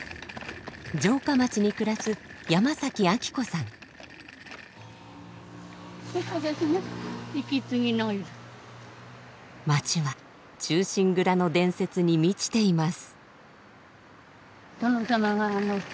城下町に暮らす町は「忠臣蔵」の伝説に満ちています。